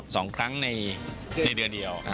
สองครั้งในเดือนเดียว